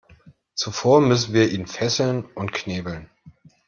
Zuvor müssen wir ihn fesseln und knebeln.